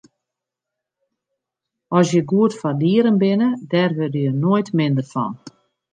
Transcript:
As je goed foar dieren binne, dêr wurde je noait minder fan.